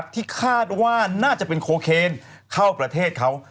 ที่คาดว่าน่าจะเป็นโคเคนเข้าประเทศเขา